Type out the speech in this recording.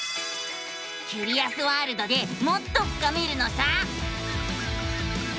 キュリアスワールドでもっと深めるのさ！